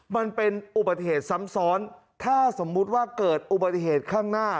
มันเป็นอุบัติเหตุซ้ำซ้อนถ้าสมมุติว่าเกิดอุบัติเหตุข้างหน้า